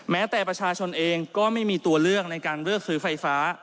แม้แต่ประชาชนเองก็ไม่มีตัวเลือกในการเลือกซื้อไฟฟ้า